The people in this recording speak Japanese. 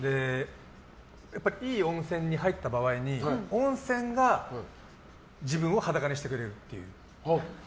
やっぱりいい温泉に入った場合に温泉が自分を裸にしてくれるっていう。